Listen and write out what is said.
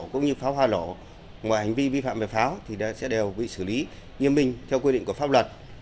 cũng như pháo hoa lổ ngoài hành vi vi phạm về pháo thì sẽ đều bị xử lý như mình theo quy định của pháp luật